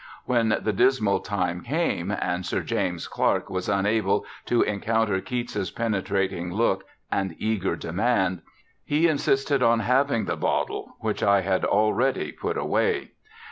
When the dismal time came, and Sir James Clark was unable to encounter Keats's penetrating look and eager demand, he insisted on having the bottle, which I had already put away.